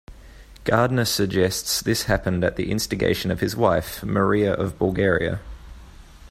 Gardner suggests this happened at the instigation of his wife, Maria of Bulgaria.